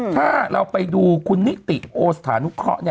ถ้าเราไปดูคุณนิติโอสถานุเคราะห์